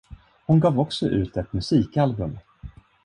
Hon gav också ut ett musikalbum.